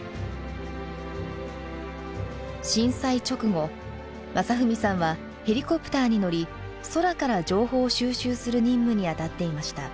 震災直後雅文さんはヘリコプターに乗り空から情報を収集する任務に当たっていました。